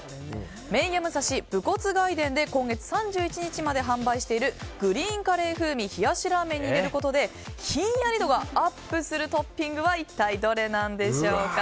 麺屋武蔵武骨外伝で今月３１日まで販売しているグリーンカレー風味冷やしラーメンに入れることでひんやり度がアップするトッピングは一体どれなんでしょうか。